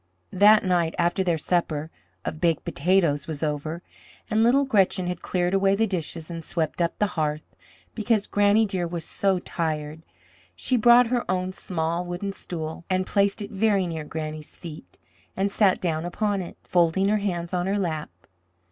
That night, after their supper of baked potatoes was over, and little Gretchen had cleared away the dishes and swept up the hearth, because Granny dear was so tired, she brought her own small wooden stool and placed it very near Granny's feet and sat down upon it, folding her hands on her lap.